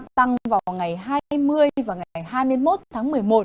tăng vào ngày hai mươi và ngày hai mươi một tháng một mươi một